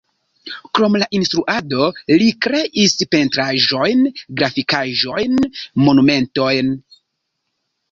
Krom la instruado li kreis pentraĵojn, grafikaĵojn, monumentojn.